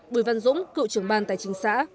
bùi văn dũng cựu trưởng ban tài chính xã